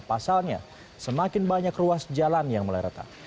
pasalnya semakin banyak ruas jalan yang mulai retak